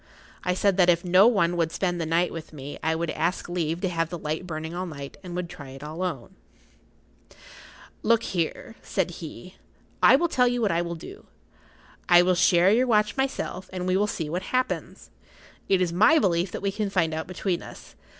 I said that if no one would spend the night with me I would ask leave to have the light[Pg 53] burning all night, and would try it alone. "Look here," said he, "I will tell you what I will do. I will share your watch myself, and we will see what happens. It is my belief that we can find out between us.